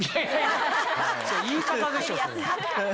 言い方でしょそれ！